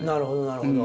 なるほど。